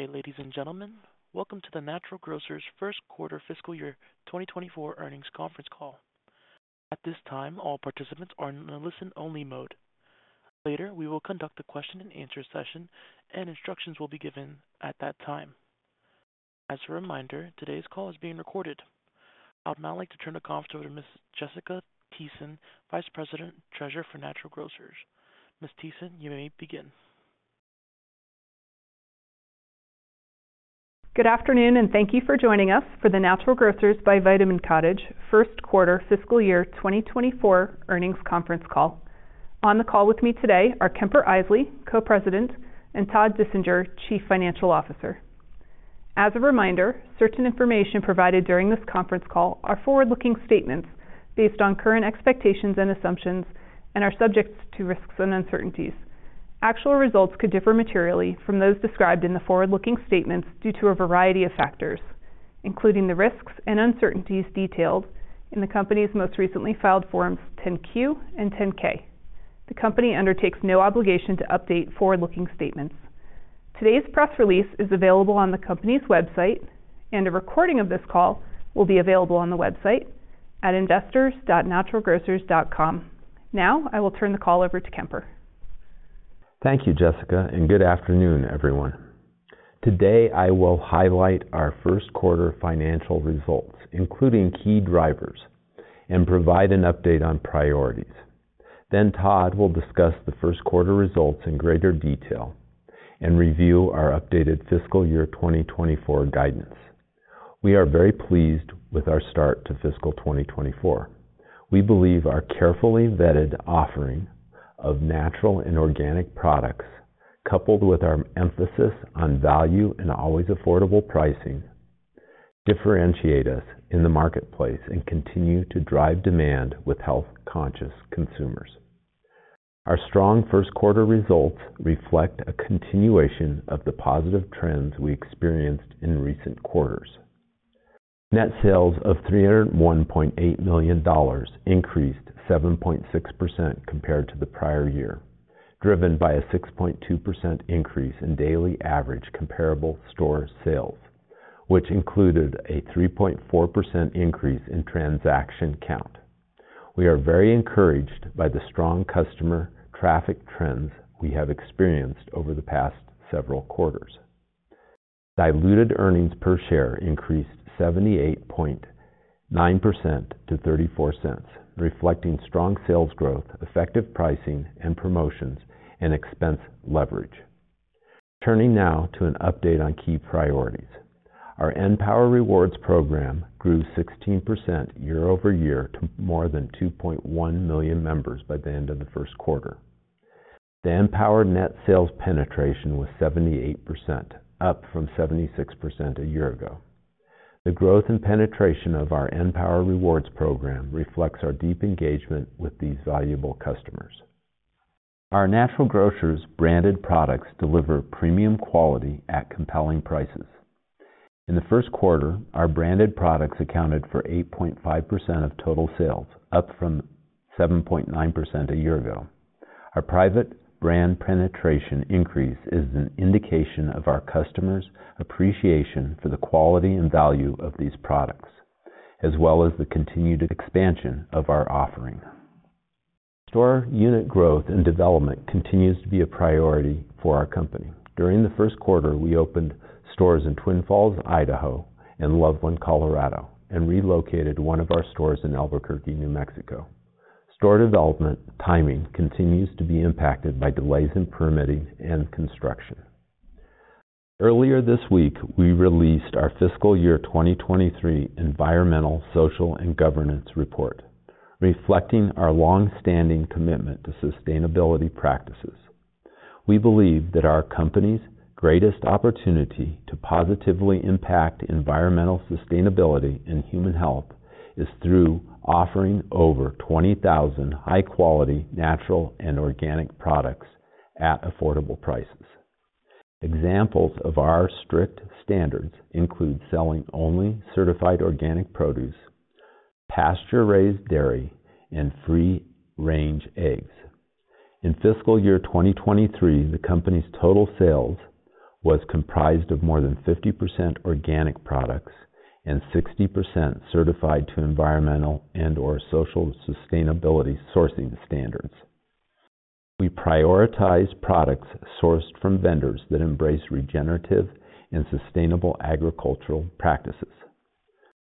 Good day, ladies and gentlemen. Welcome to the Natural Grocers' first quarter fiscal year 2024 earnings conference call. At this time, all participants are in a listen-only mode. Later, we will conduct a question-and-answer session, and instructions will be given at that time. As a reminder, today's call is being recorded. I would now like to turn the conference over to Ms. Jessica Thiesen, Vice President, Treasurer for Natural Grocers. Ms. Thiesen, you may begin. Good afternoon, and thank you for joining us for the Natural Grocers by Vitamin Cottage first quarter fiscal year 2024 earnings conference call. On the call with me today are Kemper Isely, Co-President, and Todd Dissinger, Chief Financial Officer. As a reminder, certain information provided during this conference call are forward-looking statements based on current expectations and assumptions, and are subject to risks and uncertainties. Actual results could differ materially from those described in the forward-looking statements due to a variety of factors, including the risks and uncertainties detailed in the company's most recently filed Forms 10-Q and 10-K. The company undertakes no obligation to update forward-looking statements. Today's press release is available on the company's website, and a recording of this call will be available on the website at investors.naturalgrocers.com. Now I will turn the call over to Kemper. Thank you, Jessica, and good afternoon, everyone. Today I will highlight our first quarter financial results, including key drivers, and provide an update on priorities. Then Todd will discuss the first quarter results in greater detail and review our updated fiscal year 2024 guidance. We are very pleased with our start to fiscal 2024. We believe our carefully vetted offering of natural and organic products, coupled with our emphasis on value and always affordable pricing, differentiate us in the marketplace and continue to drive demand with health-conscious consumers. Our strong first quarter results reflect a continuation of the positive trends we experienced in recent quarters. Net sales of $301.8 million increased 7.6% compared to the prior year, driven by a 6.2% increase in daily average comparable store sales, which included a 3.4% increase in transaction count. We are very encouraged by the strong customer traffic trends we have experienced over the past several quarters. Diluted earnings per share increased 78.9% to $0.34, reflecting strong sales growth, effective pricing and promotions, and expense leverage. Turning now to an update on key priorities. Our {N}power rewards program grew 16% year-over-year to more than 2.1 million members by the end of the first quarter. The {N}power net sales penetration was 78%, up from 76% a year ago. The growth and penetration of our {N}power rewards program reflects our deep engagement with these valuable customers. Our Natural Grocers branded products deliver premium quality at compelling prices. In the first quarter, our branded products accounted for 8.5% of total sales, up from 7.9% a year ago. Our private brand penetration increase is an indication of our customers' appreciation for the quality and value of these products, as well as the continued expansion of our offering. Store unit growth and development continues to be a priority for our company. During the first quarter, we opened stores in Twin Falls, Idaho, and Loveland, Colorado, and relocated one of our stores in Albuquerque, New Mexico. Store development timing continues to be impacted by delays in permitting and construction. Earlier this week, we released our fiscal year 2023 Environmental, Social, and Governance report, reflecting our longstanding commitment to sustainability practices. We believe that our company's greatest opportunity to positively impact environmental sustainability and human health is through offering over 20,000 high-quality natural and organic products at affordable prices. Examples of our strict standards include selling only certified organic produce, pasture-raised dairy, and free-range eggs. In fiscal year 2023, the company's total sales was comprised of more than 50% organic products and 60% certified to environmental and/or social sustainability sourcing standards. We prioritize products sourced from vendors that embrace regenerative and sustainable agricultural practices,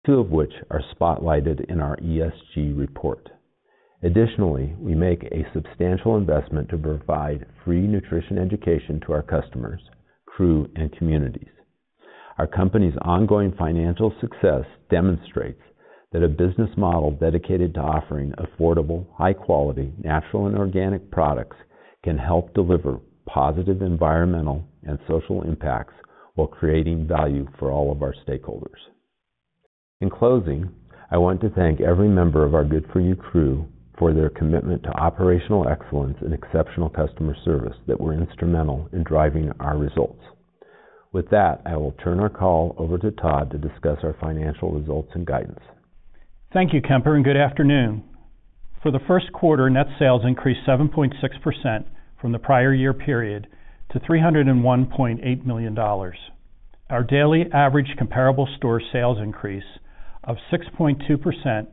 two of which are spotlighted in our ESG report. Additionally, we make a substantial investment to provide free nutrition education to our customers, crew, and communities. Our company's ongoing financial success demonstrates that a business model dedicated to offering affordable, high-quality natural and organic products can help deliver positive environmental and social impacts while creating value for all of our stakeholders. In closing, I want to thank every member of our good4u Crew for their commitment to operational excellence and exceptional customer service that were instrumental in driving our results. With that, I will turn our call over to Todd to discuss our financial results and guidance. Thank you, Kemper, and good afternoon. For the first quarter, net sales increased 7.6% from the prior year period to $301.8 million. Our daily average comparable store sales increase of 6.2%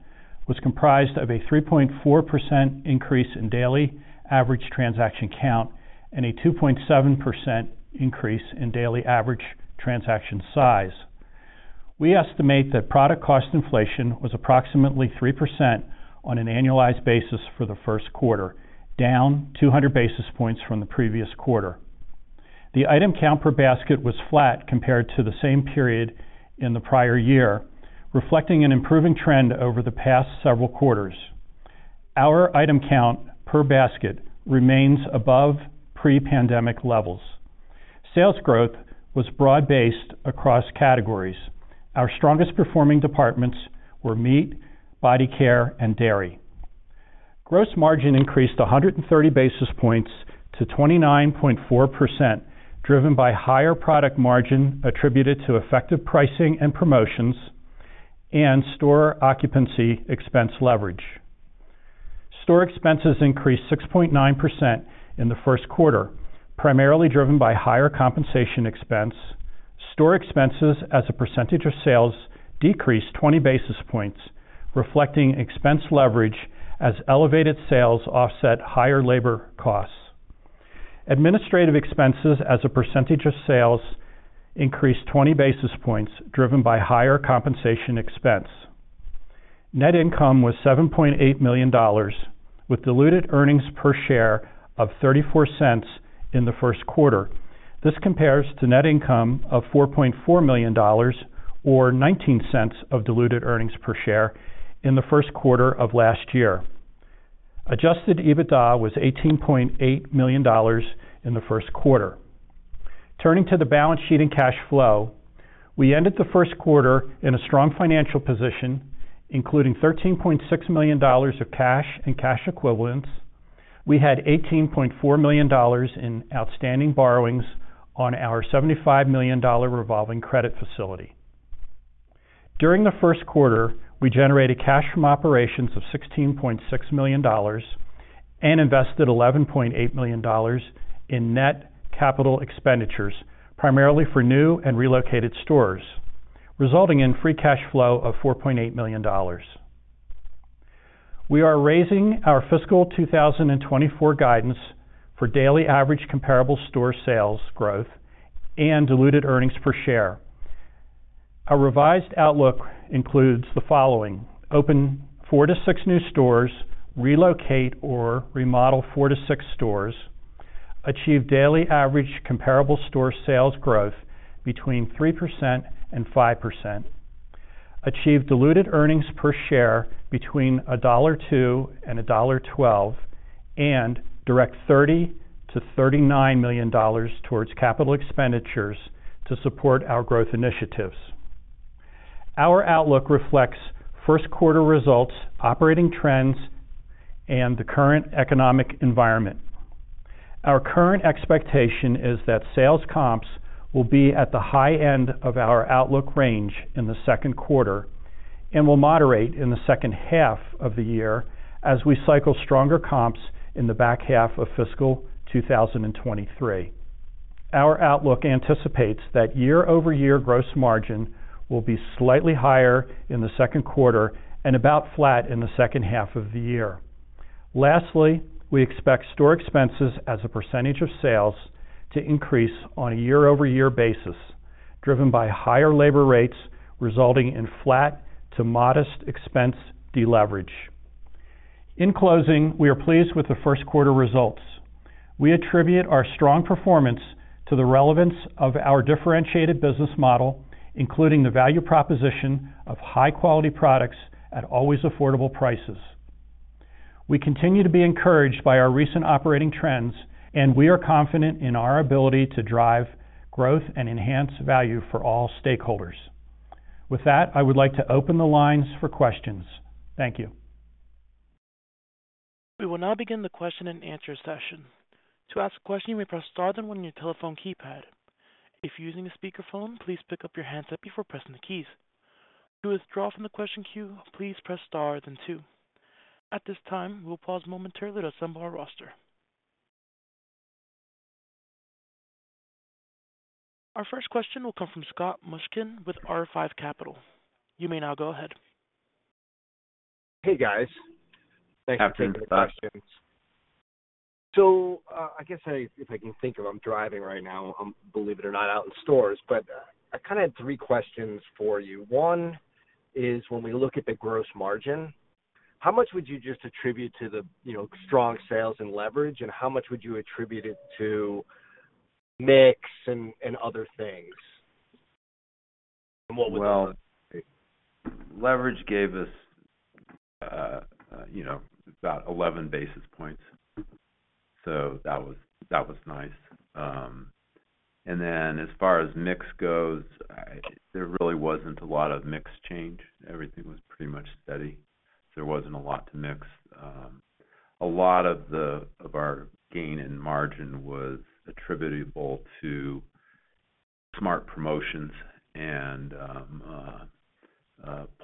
was comprised of a 3.4% increase in daily average transaction count and a 2.7% increase in daily average transaction size. We estimate that product cost inflation was approximately 3% on an annualized basis for the first quarter, down 200 basis points from the previous quarter. The item count per basket was flat compared to the same period in the prior year, reflecting an improving trend over the past several quarters. Our item count per basket remains above pre-pandemic levels. Sales growth was broad-based across categories. Our strongest performing departments were meat, body care, and dairy. Gross margin increased 130 basis points to 29.4%, driven by higher product margin attributed to effective pricing and promotions and store occupancy expense leverage. Store expenses increased 6.9% in the first quarter, primarily driven by higher compensation expense. Store expenses as a percentage of sales decreased 20 basis points, reflecting expense leverage as elevated sales offset higher labor costs. Administrative expenses as a percentage of sales increased 20 basis points, driven by higher compensation expense. Net income was $7.8 million, with diluted earnings per share of $0.34 in the first quarter. This compares to net income of $4.4 million or $0.19 of diluted earnings per share in the first quarter of last year. Adjusted EBITDA was $18.8 million in the first quarter. Turning to the balance sheet and cash flow, we ended the first quarter in a strong financial position, including $13.6 million of cash and cash equivalents. We had $18.4 million in outstanding borrowings on our $75 million revolving credit facility. During the first quarter, we generated cash from operations of $16.6 million and invested $11.8 million in net capital expenditures, primarily for new and relocated stores, resulting in free cash flow of $4.8 million. We are raising our fiscal 2024 guidance for daily average comparable store sales growth and diluted earnings per share. Our revised outlook includes the following: open four-six new stores, relocate or remodel four-six stores, achieve daily average comparable store sales growth between 3% and 5%, achieve diluted earnings per share between $1.02 and $1.12, and direct $30-$39 million towards capital expenditures to support our growth initiatives. Our outlook reflects first quarter results, operating trends, and the current economic environment. Our current expectation is that sales comps will be at the high end of our outlook range in the second quarter and will moderate in the second half of the year as we cycle stronger comps in the back half of fiscal 2023. Our outlook anticipates that year-over-year gross margin will be slightly higher in the second quarter and about flat in the second half of the year. Lastly, we expect store expenses as a percentage of sales to increase on a year-over-year basis, driven by higher labor rates, resulting in flat to modest expense deleverage. In closing, we are pleased with the first quarter results. We attribute our strong performance to the relevance of our differentiated business model, including the value proposition of high-quality products at always affordable prices. We continue to be encouraged by our recent operating trends, and we are confident in our ability to drive growth and enhance value for all stakeholders. With that, I would like to open the lines for questions. Thank you. We will now begin the question-and-answer session. To ask a question, you may press star then one on your telephone keypad. If you're using a speakerphone, please pick up your handset before pressing the keys. To withdraw from the question queue, please press star then two. At this time, we will pause momentarily to assemble our roster. Our first question will come from Scott Mushkin with R5 Capital. You may now go ahead. Hey, guys. Thanks for the questions. Happy to answer that. So I guess if I can think of, I'm driving right now, believe it or not, out in stores, but I kind of had three questions for you. One is, when we look at the gross margin, how much would you just attribute to the strong sales and leverage? And how much would you attribute it to mix and other things, and what would that look like? Well, leverage gave us about 11 basis points, so that was nice. And then as far as mix goes, there really wasn't a lot of mix change. Everything was pretty much steady, so there wasn't a lot to mix. A lot of our gain in margin was attributable to smart promotions and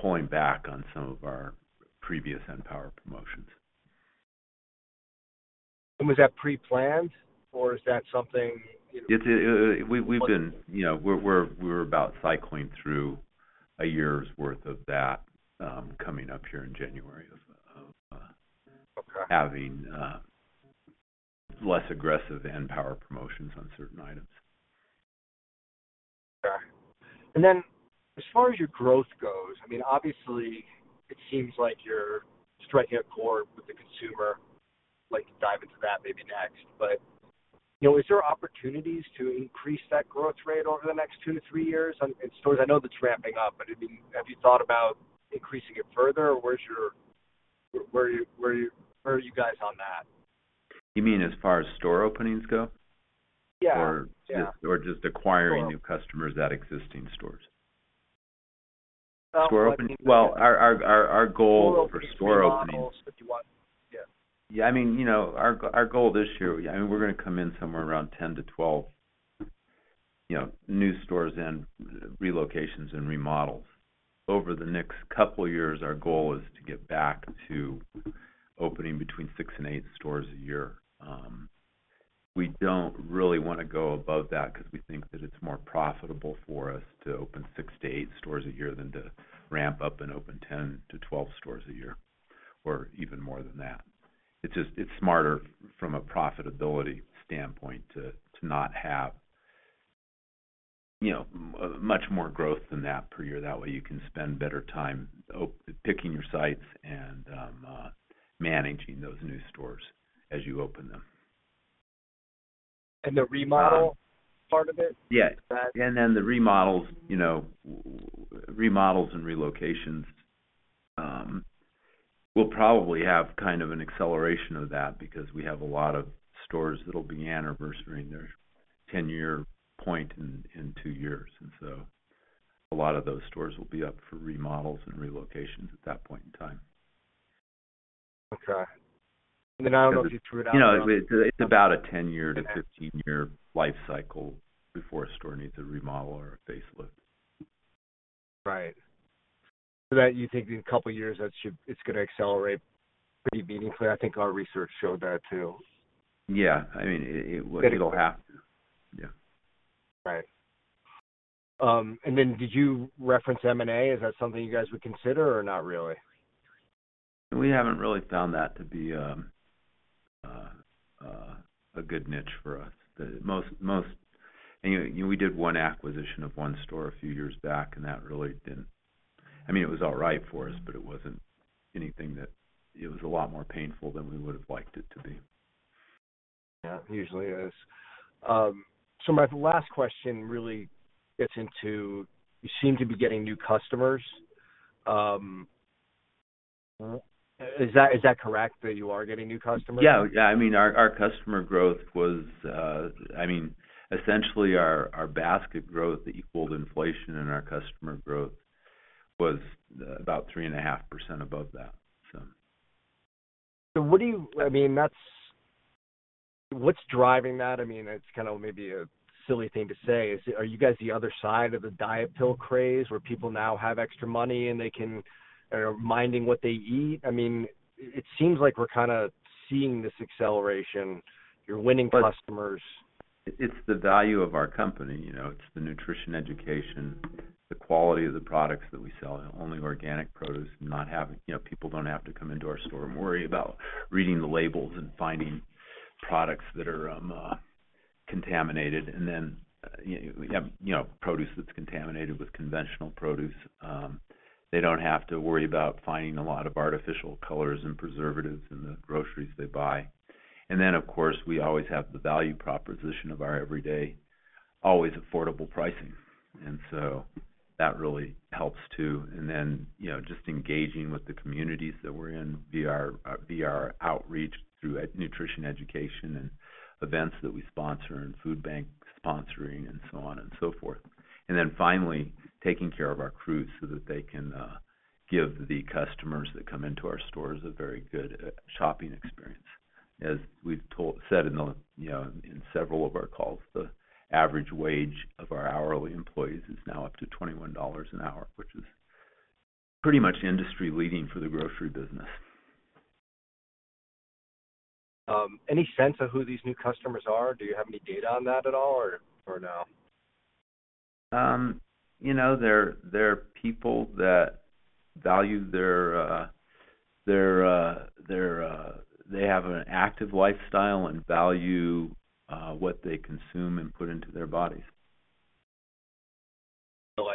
pulling back on some of our previous {N}power promotions. Was that pre-planned, or is that something? We're about cycling through a year's worth of that coming up here in January, of having less aggressive {N}power promotions on certain items. Okay. And then as far as your growth goes, I mean, obviously, it seems like you're striking a chord with the consumer. We'll dive into that maybe next. But is there opportunities to increase that growth rate over the next two-three years in stores? I know that's ramping up, but have you thought about increasing it further, or where are you guys on that? You mean as far as store openings go or just acquiring new customers at existing stores? Store openings? Well, our goal for store openings. Do you want to do the model? If you want, yeah. Yeah. I mean, our goal this year I mean, we're going to come in somewhere around 10-12 new stores and relocations and remodels. Over the next couple of years, our goal is to get back to opening between six and eight stores a year. We don't really want to go above that because we think that it's more profitable for us to open six-eigth stores a year than to ramp up and open 10-12 stores a year or even more than that. It's smarter from a profitability standpoint to not have much more growth than that per year. That way, you can spend better time picking your sites and managing those new stores as you open them. The remodel part of it, is that? Yeah. And then the remodels and relocations will probably have kind of an acceleration of that because we have a lot of stores that'll be anniversary in their 10-year point in two years. And so a lot of those stores will be up for remodels and relocations at that point in time. Okay. And then I don't know if you threw it out. It's about a 10- to 15-year life cycle before a store needs a remodel or a facelift. Right. So that you think in a couple of years, it's going to accelerate pretty meaningfully. I think our research showed that too. Yeah. I mean, it'll have to. Yeah. Right. Then did you reference M&A? Is that something you guys would consider or not really? We haven't really found that to be a good niche for us. Anyway, we did 1 acquisition of 1 store a few years back, and that really didn't, I mean, it was all right for us, but it wasn't anything that it was a lot more painful than we would have liked it to be. Yeah. Usually, it is. So my last question really gets into you seem to be getting new customers. Is that correct that you are getting new customers? Yeah. Yeah. I mean, our customer growth was I mean, essentially, our basket growth equaled inflation, and our customer growth was about 3.5% above that, so. So, I mean, what's driving that? I mean, it's kind of maybe a silly thing to say. Are you guys the other side of the diet pill craze where people now have extra money, and they're minding what they eat? I mean, it seems like we're kind of seeing this acceleration. You're winning customers. It's the value of our company. It's the nutrition education, the quality of the products that we sell, only organic produce, and not having people don't have to come into our store and worry about reading the labels and finding products that are contaminated. And then we have produce that's contaminated with conventional produce. They don't have to worry about finding a lot of artificial colors and preservatives in the groceries they buy. And then, of course, we always have the value proposition of our everyday, always affordable pricing. And so that really helps too. And then just engaging with the communities that we're in via our outreach through nutrition education and events that we sponsor and food bank sponsoring and so on and so forth. And then finally, taking care of our crews so that they can give the customers that come into our stores a very good shopping experience. As we've said in several of our calls, the average wage of our hourly employees is now up to $21 an hour, which is pretty much industry-leading for the grocery business. Any sense of who these new customers are? Do you have any data on that at all, or no? They're people that value. They have an active lifestyle and value what they consume and put into their bodies. So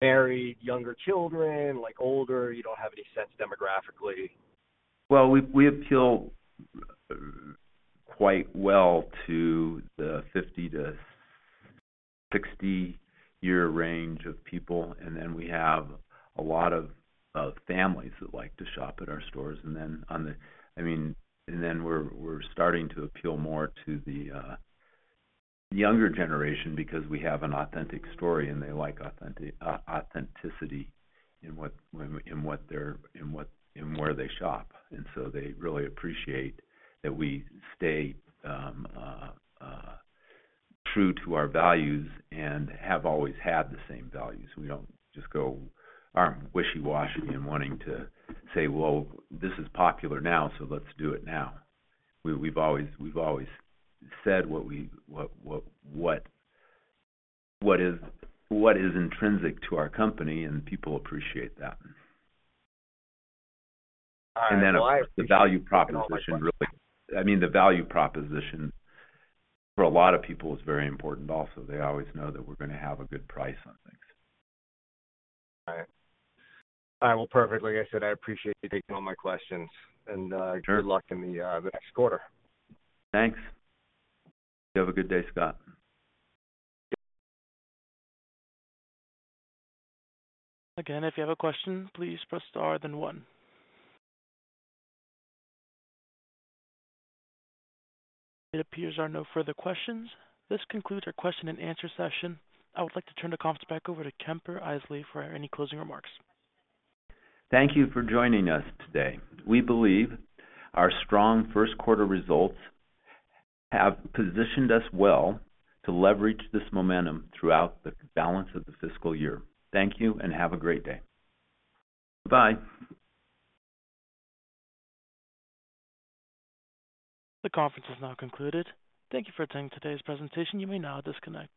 married, younger children, older? You don't have any sense demographically. Well, we appeal quite well to the 50-60-year range of people. And then we have a lot of families that like to shop at our stores. And then, I mean, and then we're starting to appeal more to the younger generation because we have an authentic story, and they like authenticity in where they shop. And so they really appreciate that we stay true to our values and have always had the same values. We don't just go wishy-washy and wanting to say, "Well, this is popular now, so let's do it now." We've always said what is intrinsic to our company, and people appreciate that. And then the value proposition really, I mean, the value proposition for a lot of people is very important also. They always know that we're going to have a good price on things. Right. All right. Well, perfect. Like I said, I appreciate you taking all my questions, and good luck in the next quarter. Thanks. You have a good day, Scott. Again, if you have a question, please press star then one. It appears there are no further questions. This concludes our question-and-answer session. I would like to turn the conference back over to Kemper Isely for any closing remarks. Thank you for joining us today. We believe our strong first-quarter results have positioned us well to leverage this momentum throughout the balance of the fiscal year. Thank you, and have a great day. Bye. The conference is now concluded. Thank you for attending today's presentation. You may now disconnect.